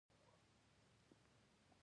بیا هم خلکو نه پرېښوده چې ارام شي.